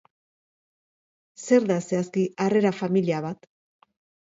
Zer da zehazki harrera familia bat?